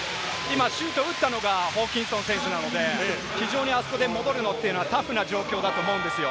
今シュートを打ったのがホーキンソン選手なので、非常にあそこで戻るのっていうのはタフな状況だと思うんです。